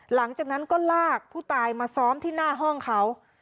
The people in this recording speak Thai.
หลังจากนั้นก็ลากผู้ตายมาซ้อมที่หน้าห้องเขา